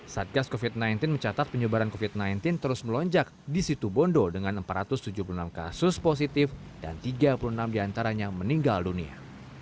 satgas covid sembilan belas mencatat penyebaran covid sembilan belas terus melonjak di situ bondo dengan empat ratus tujuh puluh enam kasus positif dan tiga puluh enam diantaranya meninggal dunia